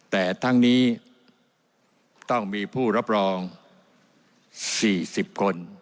แต่ทั้งนี้ต้องมีผู้รับรอง๔๐คน